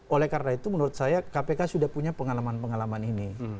oleh karena itu menurut saya kpk sudah punya pengalaman pengalaman ini